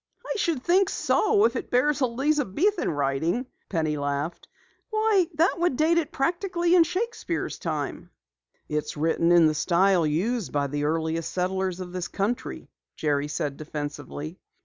"I should think so if it bears Elizabethan writing!" Penny laughed. "Why, that would date it practically in Shakespeare's time!" "It's written in the style used by the earliest settlers of this country," Jerry said defensively.